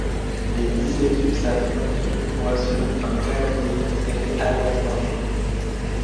Les dix équipes s'affrontent une fois selon un calendrier tiré aléatoirement.